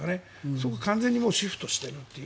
そこは完全にシフトしているという。